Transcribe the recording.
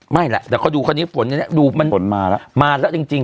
ไม่แหละแต่เขาดูคราวนี้ฝนอันนี้ดูมันฝนมาแล้วมาแล้วจริงจริง